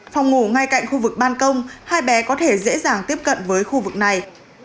phòng ngủ ngay cạnh khu vực ban công hai bé có thể dễ dàng tiếp cận với khu vực này